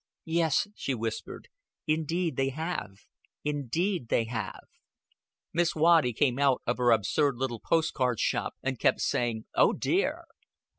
"Yes," she whispered. "Indeed they have. Indeed they have." Miss Waddy came out of her absurd little post card shop and kept saying, "Oh, dear!"